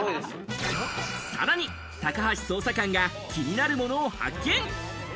さらに高橋捜査官が気になるものを発見。